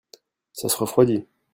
ça se refroidit.